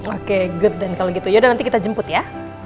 oke good dan kalau gitu yaudah nanti kita jemput ya